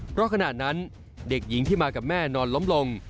เพราะขณะนั้นเด็กหญิงที่มากับแม่นอนล้มลง